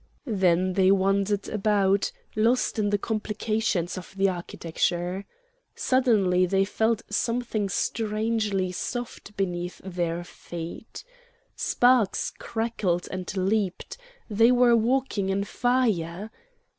Then they wandered about, lost in the complications of the architecture. Suddenly they felt something strangely soft beneath their feet. Sparks crackled and leaped; they were walking in fire.